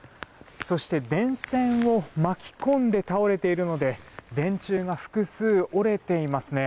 そして電線を巻き込んで倒れているので電柱が複数、折れていますね。